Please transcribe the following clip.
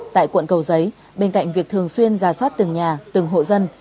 tại quận cầu giấy bên cạnh việc thường xuyên ra soát từng nhà từng hộ dân